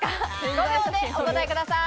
５秒でお答えください。